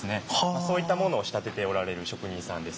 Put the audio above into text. そういったものを仕立てておられる職人さんです。